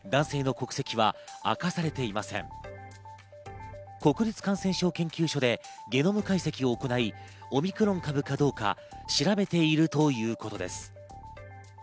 国立感染症研究所でゲノム解析を行い、オミクロン株かどうか調べているということです。